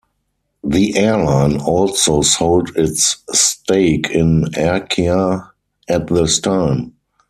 The airline also sold its stake in Arkia at this time.